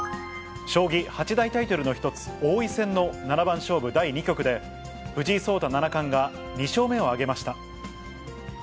将棋八大タイトルの１つ、王位戦の七番勝負第２局で、藤井聡太七冠が２勝目を挙げました。